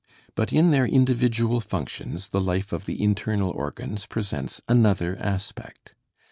But in their individual functions the life of the internal organs presents another aspect.